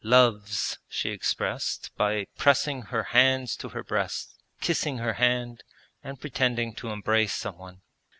'Loves' she expressed by pressing her hands to her breast, kissing her hand, and pretending to embrace someone.